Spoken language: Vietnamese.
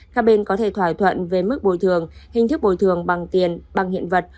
hai bên có thể thỏa thuận về mức bồi thường hình thức bồi thường bằng tiền bằng hiện vật